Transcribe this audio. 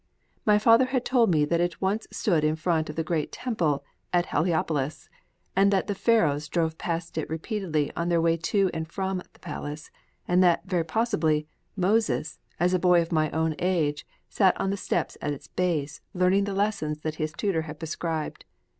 My father had told me that it once stood in front of the great temple at Heliopolis; that the Pharaohs drove past it repeatedly on their way to and from the palace; and that, very possibly, Moses, as a boy of my own age, sat on the steps at its base learning the lessons that his tutor had prescribed.